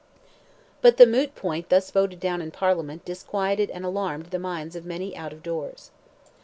But the moot point thus voted down in Parliament disquieted and alarmed the minds of many out of doors.